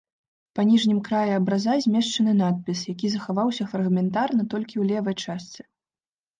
Па ніжнім краі абраза змешчаны надпіс, які захаваўся фрагментарна толькі ў левай частцы.